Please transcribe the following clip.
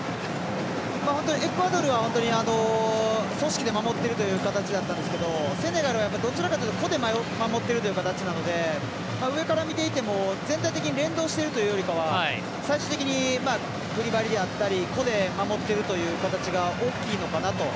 エクアドルは組織で守ってるという形だったんですけどセネガルはどちらかというと個で守っている形なので上から見ていても全体的に連動しているというよりかは最終的にクリバリであったり個で守っているという形が大きいのかなと。